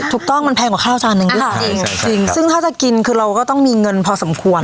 ถูกต้องมันแพงกว่าข้าวจานนึงหรือเปล่าจริงซึ่งถ้าจะกินคือเราก็ต้องมีเงินพอสมควร